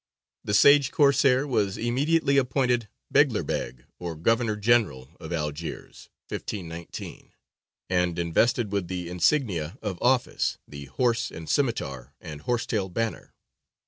The sage Corsair was immediately appointed Beglerbeg, or Governor General, of Algiers (1519), and invested with the insignia of office, the horse and scimitar and horsetail banner.